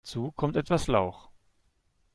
Dazu kommt etwas Lauch.